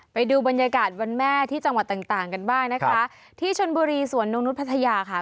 ไปดูบรรยากาศวันแม่ที่จังหวัดต่างต่างกันบ้างนะคะที่ชนบุรีสวนนกนุษย์พัทยาค่ะ